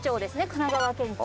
神奈川県庁。